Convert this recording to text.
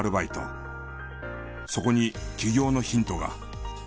そこに起業のヒントが。